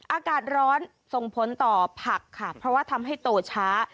อากาศร้อนส่งผลต่อผักค่ะเพราะว่าทำให้โตช้า